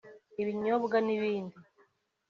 ibinyobwa n’ibindi